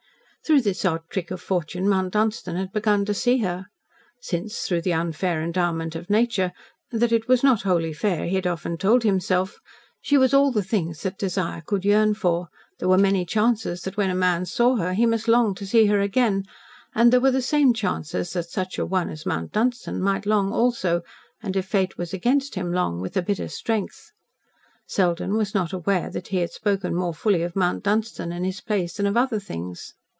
Through this odd trick of fortune, Mount Dunstan had begun to see her. Since, through the unfair endowment of Nature that it was not wholly fair he had often told himself she was all the things that desire could yearn for, there were many chances that when a man saw her he must long to see her again, and there were the same chances that such an one as Mount Dunstan might long also, and, if Fate was against him, long with a bitter strength. Selden was not aware that he had spoken more fully of Mount Dunstan and his place than of other things.